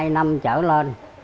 hai năm trở lên